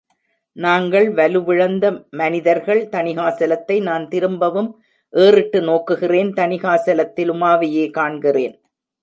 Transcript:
நாங்கள் வலுவிழந்த மனிதர்கள்! தணிகாசலத்தை நான் திரும்பவும் ஏறிட்டு நோக்குகிறேன்.தணிகாசலத்தில் உமாவையே காண்கிறேன்.